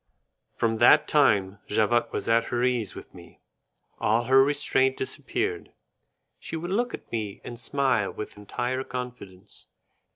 From that time Javotte was at her ease with me, all her restraint disappeared, she would look at me and smile with entire confidence.